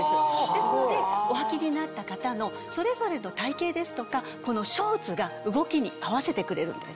ですのでおはきになった方のそれぞれの体形ですとかこのショーツが動きに合わせてくれるんです。